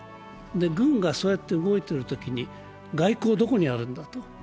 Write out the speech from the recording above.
軍がそうやって動いているときに外交はどこにあるのかと。